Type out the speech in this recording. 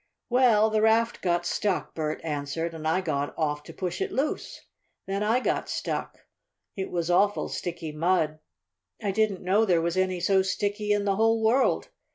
"Well, the raft got stuck," Bert answered, "and I got off to push it loose. Then I got stuck. It was awful sticky mud. I didn't know there was any so sticky in the whole world!